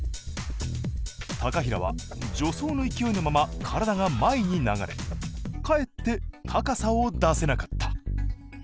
平は助走の勢いのまま体が前に流れかえって高さを出せなかった。